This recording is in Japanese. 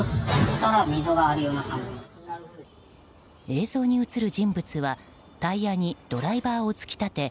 映像に映る人物はタイヤにドライバーを突き立て